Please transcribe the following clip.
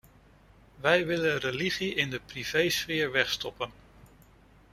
Wij willen religie in de privésfeer wegstoppen.